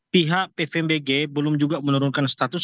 pihak pvmbg belum juga menurunkan status